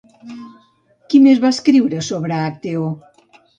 Qui més va escriure sobre Acteó?